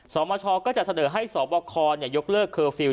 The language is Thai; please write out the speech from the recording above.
สอบมาตรชองก็จะเสนอให้สบาคอยกเลิกเคอร์ฟิลด์